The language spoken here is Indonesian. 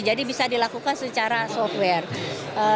jadi bisa dilakukan secara software